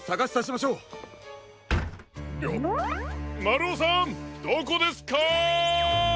まるおさんどこですか？